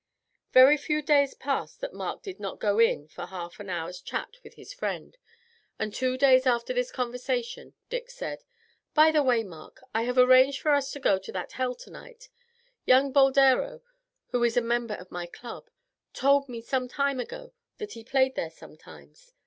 Very few days passed that Mark did not go in for half an hour's chat with his friend, and two days after this conversation Dick said: "By the way, Mark, I have arranged for us to go to that hell tonight; young Boldero, who is a member of my club, told me some time ago that he played there sometimes.